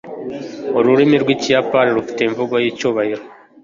ururimi rwikiyapani rufite imvugo yicyubahiro